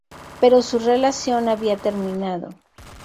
Pero su relación había terminado.